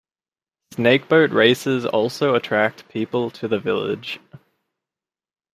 Snakeboat races also attract people to the village.